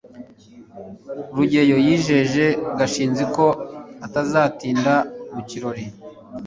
rugeyo yijeje gashinzi ko atazatinda mu kirori